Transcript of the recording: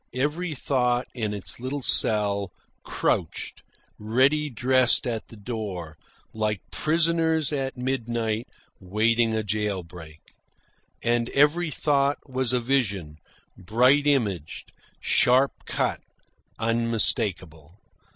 Every thought, in its little cell, crouched ready dressed at the door, like prisoners at midnight waiting a jail break. And every thought was a vision, bright imaged, sharp cut, unmistakable.